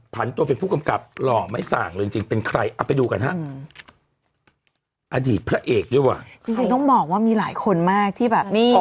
ผันตัวเป็นผู้กำกับ